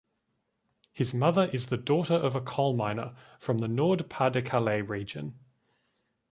His mother is the daughter of a coal miner from the Nord-Pas-de-Calais region.